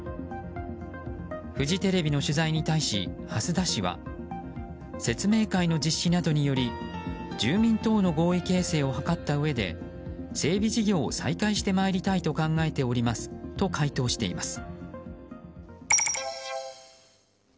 フジテレビの取材に対し蓮田市は説明会の実施などにより住民等の合意形成を図ったうえで整備事業を再開してまいりたいと考えておりますと回答しています。